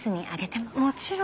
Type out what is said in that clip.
もちろん。